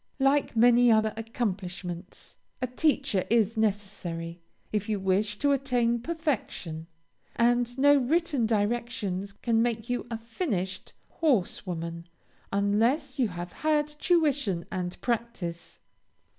Like many other accomplishments, a teacher is necessary, if you wish to attain perfection, and no written directions can make you a finished horse woman, unless you have had tuition and practice.